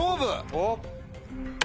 おっ！